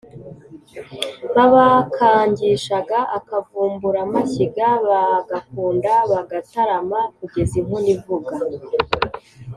babakangishaga akavumburamashyiga bagakunda bagatarama kugeza inkono ivuga